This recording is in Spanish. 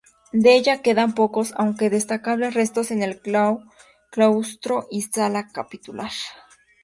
De ella, quedan pocos aunque destacables restos en el claustro y la sala capitular.